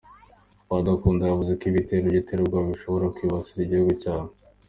Paddy Ankunda yavuze ko ibitero by’iterabwoba bishobora kwibasira igihugu cyabo.